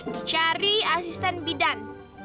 dicari asisten bidan